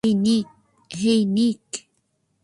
হেই, নিক।